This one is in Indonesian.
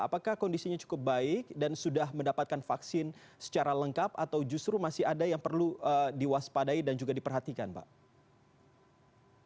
apakah kondisinya cukup baik dan sudah mendapatkan vaksin secara lengkap atau justru masih ada yang perlu diwaspadai dan juga diperhatikan pak